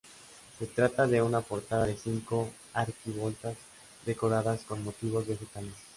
Se trata de una portada de cinco arquivoltas, decoradas con motivos vegetales.